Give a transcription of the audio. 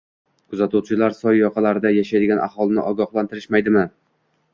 Kuzatuvchilar soy yoqalarida yashaydigan aholini ogohlantirmaydimi